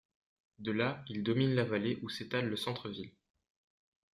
De là, il domine la vallée où s’étale le centre-ville.